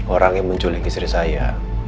orang yang menculik istri saya